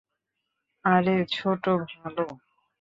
আরে ছোট, ভালো?